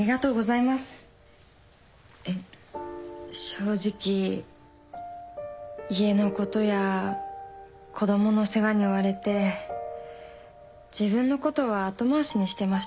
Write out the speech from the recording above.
正直家のことや子供の世話に追われて自分のことは後回しにしてました。